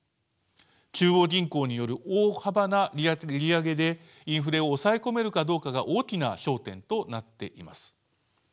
中央銀行による大幅な利上げでインフレを抑え込めるかどうかが大きな焦点となっています。